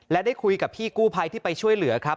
และได้คุยกับพี่กู้ภัยที่ไปช่วยเหลือครับ